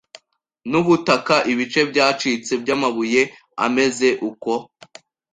nubutaka ibice byacitse byamabuye ameze uko